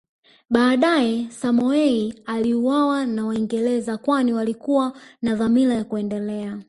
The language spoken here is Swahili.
Baadae Samoei aliuawa na Waingereza kwani walikuwa na dhamira ya kuendelea